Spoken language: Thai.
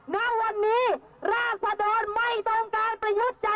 ณวันนี้ราชสะดอนไม่ต้องการประยุทธจันโอชา